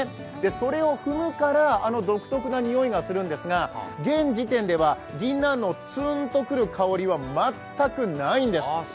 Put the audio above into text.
それを踏むからあの独特なにおいがするんですが現時点では、ぎんなんのツーンとくる香りは全くないんです。